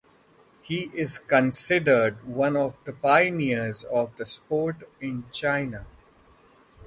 He is considered one of the pioneers of the sport in China.